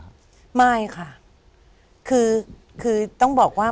พี่น้องรู้ไหมว่าพ่อจะตายแล้วนะ